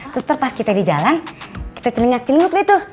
terus terpas kita di jalan kita celingak celungut deh tuh